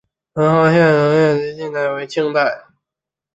化县首届农民协会旧址的历史年代为清代。